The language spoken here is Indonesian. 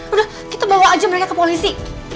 udah kita bawa aja mereka ke polisi